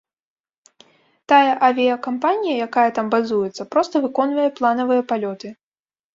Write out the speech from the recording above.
Тая авіякампанія, якая там базуецца, проста выконвае планавыя палёты.